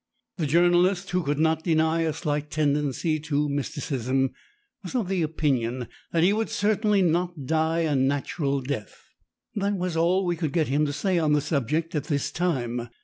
The journalist who could not deny a slight tendency to mysticism was of the opinion that he would certainly not die a natural death. That was all we could get him to say on the subject at this time.